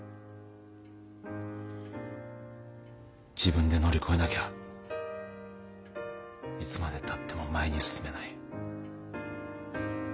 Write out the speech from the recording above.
自分で乗り越えなきゃいつまでたっても前に進めない。